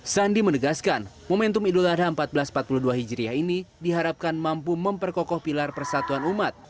sandi menegaskan momentum idul adha seribu empat ratus empat puluh dua hijriah ini diharapkan mampu memperkokoh pilar persatuan umat